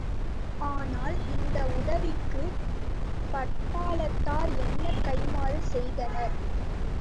ஆனால் இந்த உதவிக்குப் பட்டாளத்தார் என்ன கைம்மாறு செய்தனர்?